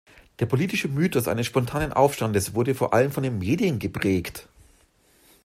Der politische Mythos eines spontanen Aufstandes wurde vor allem von den Medien geprägt.